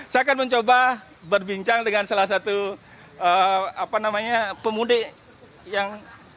saya akan mencoba berbincang dengan salah satu pemudik yang